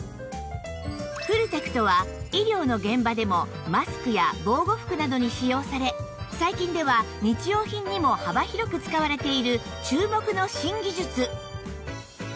フルテクトは医療の現場でもマスクや防護服などに使用され最近では日用品にも幅広く使われている注目の新技術